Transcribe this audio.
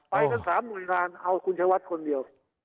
ไปกัน๓หน่วยงานเอาคุณชายวัดคนเดียว